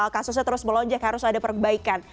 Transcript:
kasusnya terus melonjak harus ada perbaikan